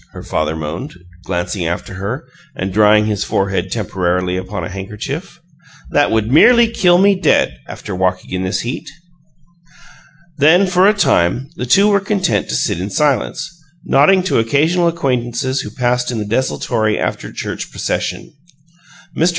her father moaned, glancing after her and drying his forehead temporarily upon a handkerchief. "That would merely kill me dead, after walking in this heat." Then, for a time, the two were content to sit in silence, nodding to occasional acquaintances who passed in the desultory after church procession. Mr.